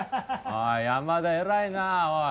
おい山田偉いなぁおい！